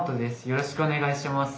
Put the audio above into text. よろしくお願いします。